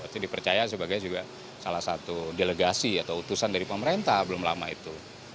jadi dipercaya sebagai salah satu delegasi atau utusan dari pemerintah belum lama itu